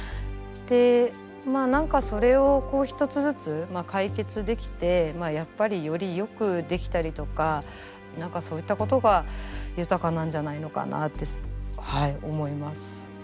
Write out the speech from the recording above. でそれを１つずつ解決できてやっぱりよりよくできたりとか何かそういったことが豊かなんじゃないのかなってはい思います。